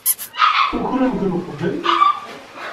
Ukren-ken uqbel?